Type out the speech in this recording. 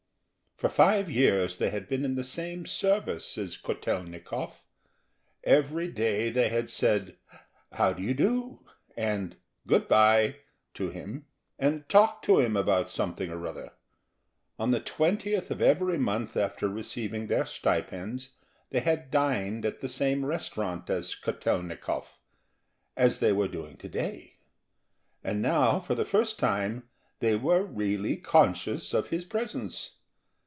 For five years they had been in the same service as Kotel'nikov, every day they had said "How do you do?" and "Good bye" to him, and talked to him about something or other; on the 20th of every month, after receiving their stipends, they had dined at the same restaurant as Kotel'nikov, as they were doing to day; and now for the first time they were really conscious of his presence.